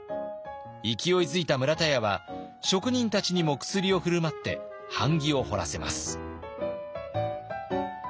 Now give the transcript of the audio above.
勢いづいた村田屋は職人たちにも薬を振る舞って版木を彫らせます。